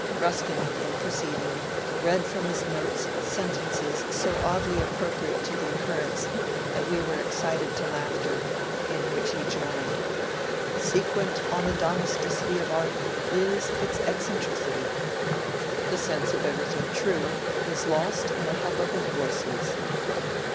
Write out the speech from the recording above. Ruskin, in proceeding, read from his notes sentences so oddly appropriate to the oc currence that we were excited to laughter, in which he joined :^^ Sequent on the domesticity of art is its eccentricity." ^' The sense of everything true is lost in a hubbub of voices."